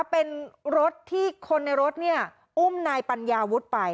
เป็นรถที่คนในรถอุ้มนายปัญญาวุฒิไป